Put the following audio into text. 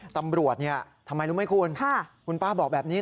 ตำรวจทำไมรู้ไหมคุณคุณป้าบอกแบบนี้